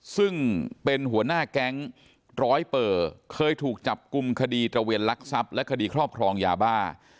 ซึ่งเป็นหัวหน้าแก๊งร้อยเปอร์เคยถูกจับกลุ่มคดีตระเวนลักทรัพย์และคดีครอบครองยาบ้า